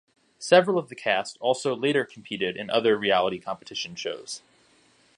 Several of the cast also later competed in other reality competition shows.